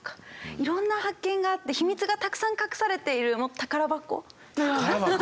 いろんな発見があって秘密がたくさん隠されているもう宝箱のような。